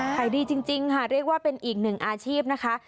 ขายดีจริงค่ะเรียกว่าเป็นอีกหนึ่งอาชีพนะคะ